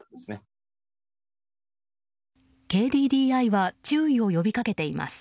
ＫＤＤＩは注意を呼びかけています。